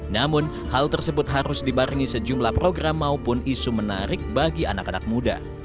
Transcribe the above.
namun hal tersebut harus dibarengi sejumlah program maupun isu menarik bagi anak anak muda